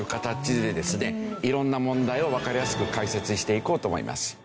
色んな問題をわかりやすく解説していこうと思います。